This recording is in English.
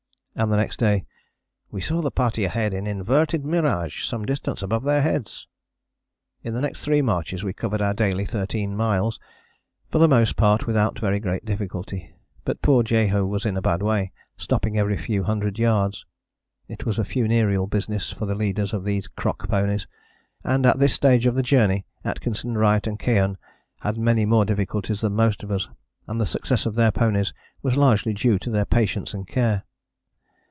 And the next day: "We saw the party ahead in inverted mirage some distance above their heads." In the next three marches we covered our daily 13 miles, for the most part without very great difficulty. But poor Jehu was in a bad way, stopping every few hundred yards. It was a funereal business for the leaders of these crock ponies; and at this stage of the journey Atkinson, Wright and Keohane had many more difficulties than most of us, and the success of their ponies was largely due to their patience and care.